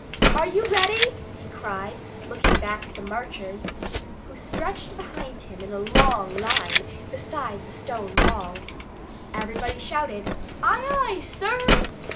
"Are you ready?" he cried, looking back at the marchers, who stretched behind him in a long line beside the stone wall. Everybody shouted "Aye, aye, sir!"